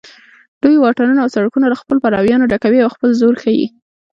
دوی واټونه او سړکونه له خپلو پلویانو ډکوي او خپل زور ښیي